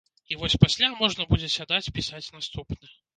І вось пасля можна будзе сядаць пісаць наступны.